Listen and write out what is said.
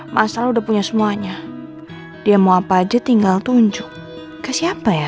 masal udah punya semuanya dia mau apa aja tinggal tunjuk kasih apa ya